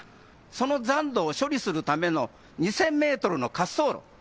その残土を処理するための２０００メートルの滑走路。